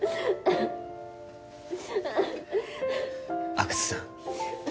阿久津さん